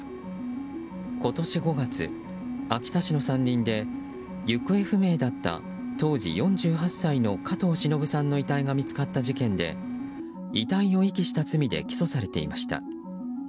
今年５月秋田市の山林で行方不明だった当時４８歳の加藤しのぶさんの遺体が見つかった事件で遺体を遺棄した罪で起訴されていました。